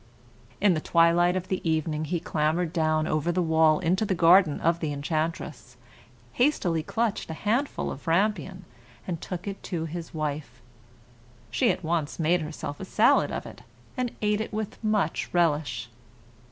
In the twilight of evening, he clambered down over the wall into the garden of the enchantress, hastily clutched a handful of rampion, and took it to his wife. She at once made herself a salad of it, and ate it with much relish.